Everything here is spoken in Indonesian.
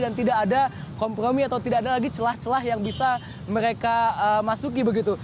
dan tidak ada kompromi atau tidak ada lagi celah celah yang bisa mereka masuki begitu